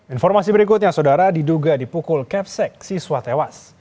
informasi berikutnya saudara diduga dipukul kepsek siswa tewas